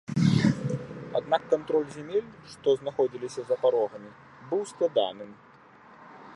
Аднак кантроль зямель, што знаходзіліся за парогамі, быў складаным.